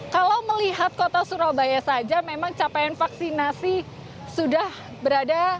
kalau melihat kota surabaya saja memang capaian vaksinasi sudah berada